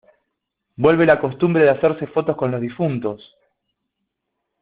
Vuelve la costumbre de hacerse fotos con los difuntos.